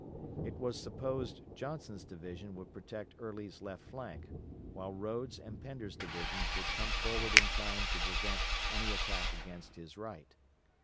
It was supposed Johnson's division would protect Early's left flank, while Rodes' and Pender's divisions would come forward in time to prevent any attack against his right.